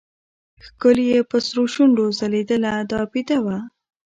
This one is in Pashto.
ښکل يې په سرو شونډو ځلېدله دا بېده وه.